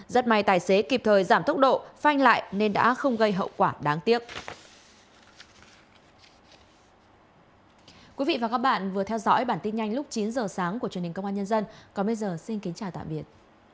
rất may tài xế kịp thời giảm tốc độ phanh lại nên đã không gây hậu quả đáng tiếc